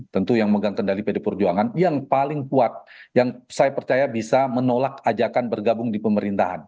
tentu yang megang kendali pd perjuangan yang paling kuat yang saya percaya bisa menolak ajakan bergabung di pemerintahan